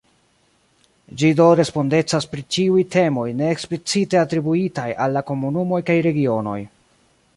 Ĝi do respondecas pri ĉiuj temoj ne eksplicite atribuitaj al la komunumoj kaj regionoj.